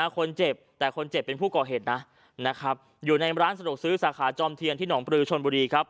คนเจ็บแต่คนเจ็บเป็นผู้ก่อเหตุนะนะครับอยู่ในร้านสะดวกซื้อสาขาจอมเทียนที่หนองปลือชนบุรีครับ